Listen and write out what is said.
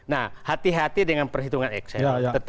nah hati hati dengan perhitungan eksen